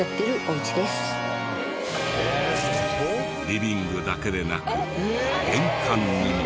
リビングだけでなく玄関にも。